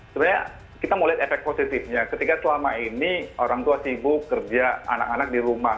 sebenarnya kita mau lihat efek positifnya ketika selama ini orang tua sibuk kerja anak anak di rumah